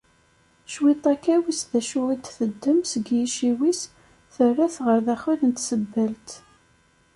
Cwiṭ akka wiss d acu i d-teddem seg yiciwi-s, terra-t ɣer daxel n tsebbalt.